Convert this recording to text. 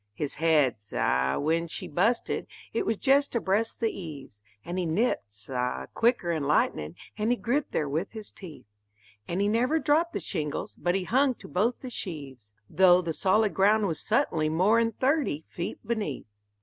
His head, sah, when she busted, it was jest abreast the eaves; And he nipped, sah, quicker 'n lightnin', and he gripped there with his teeth, And he never dropped the shingles, but he hung to both the sheaves, Though the solid ground was suttenly more 'n thirty feet beneath.